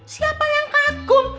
kenapa yang kagum